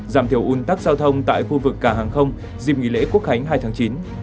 giảm thiểu un tắc giao thông tại khu vực cảng hàng không dịp nghỉ lễ quốc khánh hai tháng chín